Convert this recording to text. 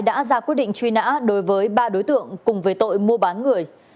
đã ra quyết định truy nã đối với ba đối tượng cùng về tội mua bán người